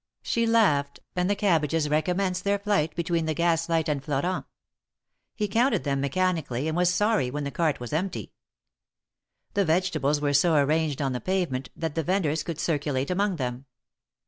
She laughed, and the cabbages recommenced their flight between the gas light and Florent. He counted them mechanically and was sorry when the cart was empty. The vegetables were so arranged on the pavement that the venders could circulate among them.